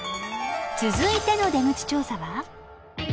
［続いての出口調査は］